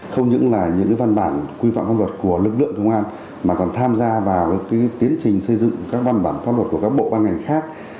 không những là những văn bản quy phạm pháp luật của lực lượng công an mà còn tham gia vào tiến trình xây dựng các văn bản pháp luật của các bộ ban ngành khác